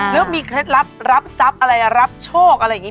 แล้วมีเคล็ดลับรับทรัพย์อะไรรับโชคอะไรอย่างนี้